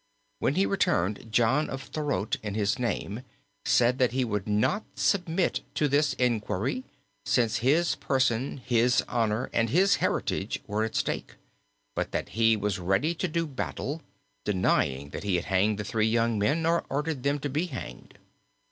When he returned, John of Thorote, in his name, said that he would not submit to this inquiry, since his person, his honour, and his heritage were at stake, but that he was ready to do battle, denying that he had hanged the three young men, or ordered them to be hanged.